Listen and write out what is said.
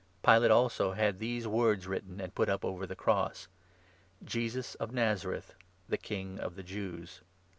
Pilate also had these 19 words written and put up over the cross — 'JESUS OF NAZARETH, THE KING OF THE JEWS.'